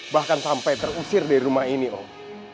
bahkan sampai terusir dari rumah ini om